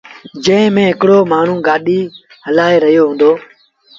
جݩهݩ ميݩ هڪڙو مآڻهوٚݩ گآڏيٚ هلآئي رهيو هُݩدو۔